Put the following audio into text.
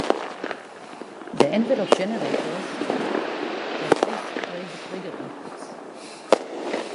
The envelope generators have S-trig trigger inputs.